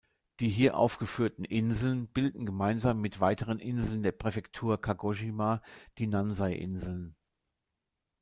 Die hier aufgeführten Inseln bilden gemeinsam mit weiteren Inseln der Präfektur Kagoshima die Nansei-Inseln.